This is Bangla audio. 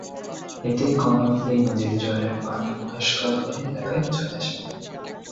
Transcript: এতে কর্ণফুলী নদীর জোয়ারের পানি মহেশ খাল হয়ে এলাকায় চলে আসে।